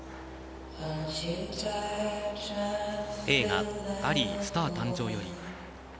映画「アリー／スター誕生」より。